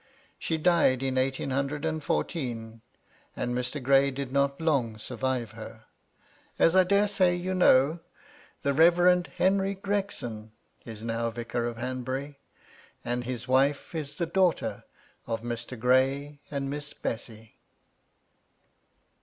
She died in eighteen hundred and fourteen, and Mr. Ghray did not long survive her. As I dare say you know the Reverend Henry Gregson is now vicar of Hanbury, and his wife is the daughter of Mr. Gray and Miss Bessy.